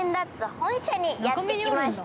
本社にやって来ました。